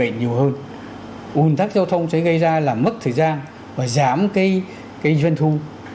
lây bệnh nhiều hơn ủn thắc giao thông sẽ gây ra là mất thời gian và giảm cái kinh doanh thu